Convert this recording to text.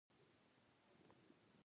خاصګي مينه په ګل باندې بورا کا